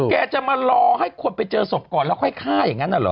แกจะมารอให้คนไปเจอศพก่อนแล้วค่อยฆ่าอย่างนั้นน่ะเหรอ